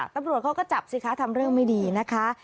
ตำรวจเขาก็จับสิคะทำเรื่องไม่ดีนะคะ